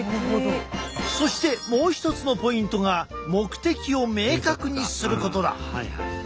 そしてもう一つのポイントが目的を明確にすることだ！